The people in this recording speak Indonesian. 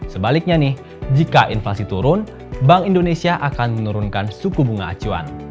sebaliknya nih jika inflasi turun bank indonesia akan menurunkan suku bunga acuan